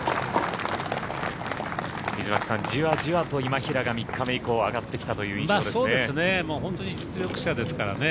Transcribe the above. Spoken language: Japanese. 水巻さん、じわじわと今平が３日目以降上がってきたという印象ですね。